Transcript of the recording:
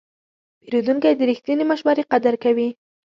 پیرودونکی د رښتینې مشورې قدر کوي.